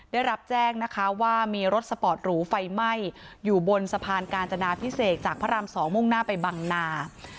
ได้รับแจ้งนะคะว่ามีรถสปอร์ตหรูไฟไหม้อยู่บนสะพานกาญจนาพิเศษจากพระราม๒มุ่งหน้าไปบังนา